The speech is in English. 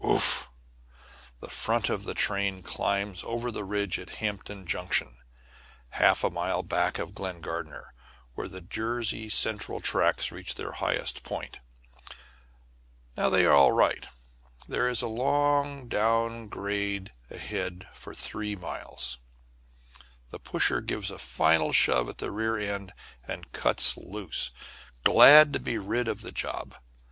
Ouf! The front of the train climbs over the ridge at Hampton Junction, half a mile back of Glen Gardner, where the Jersey Central tracks reach their highest point. Now they are all right. There is a long down grade ahead for three miles. The pusher gives a final shove at the rear end, and cuts loose, glad to be rid of the job.